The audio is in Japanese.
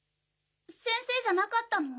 先生じゃなかったの？